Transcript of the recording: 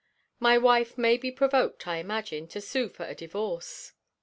My wife may be provoked, I imagine, to sue for a divorce.